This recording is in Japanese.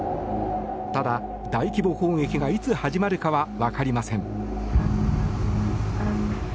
ただ、大規模攻撃がいつ始まるかは分かりません。